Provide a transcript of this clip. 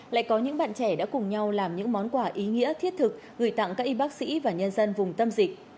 lại có những bạn trẻ đã cùng nhau làm những món quà ý nghĩa thiết thực gửi tặng các y bác sĩ và nhân dân vùng tâm dịch